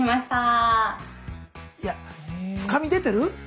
いや深み出てる？